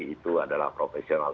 itu adalah profesional